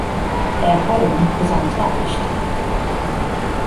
Their home was untouched.